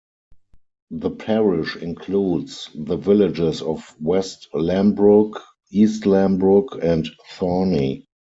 The parish includes the villages of West Lambrook, East Lambrook and Thorney.